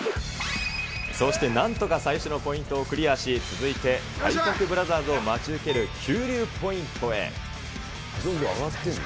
そしてなんとか最初のポイントをクリアし、続いて、体格ブラザーズを待ち受ける急流ポイントへ。